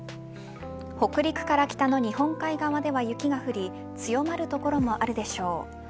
北陸から北の日本海側では雪が降り強まる所もあるでしょう。